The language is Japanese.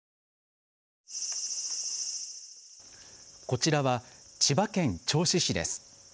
こちらは千葉県銚子市です。